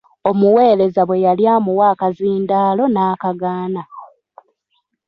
Omuweereza bwe yali amuwa akazindaala n'akagaana.